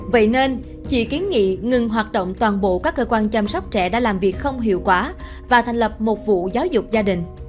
vậy nên chị kiến nghị ngừng hoạt động toàn bộ các cơ quan chăm sóc trẻ đã làm việc không hiệu quả và thành lập một vụ giáo dục gia đình